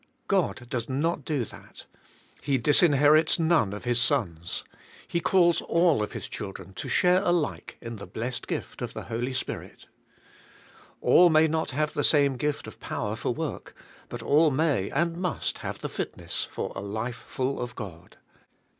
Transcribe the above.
God does not do that. He disinherits none of His sons. He calls all of His children to share alike in the blessed gift of the Spirit Holy. All may not have SnvnN BI^KSSINGS. 17 the same g ift of power for work, but all may and must have the fitness for a life full of God.